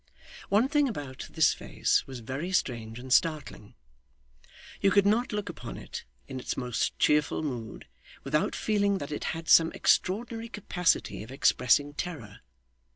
One thing about this face was very strange and startling. You could not look upon it in its most cheerful mood without feeling that it had some extraordinary capacity of expressing terror.